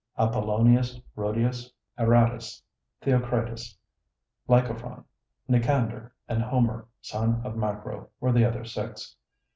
Apollonius Rhodius, Aratus, Theocritus, Lycophron, Nicander, and Homer son of Macro, were the other six.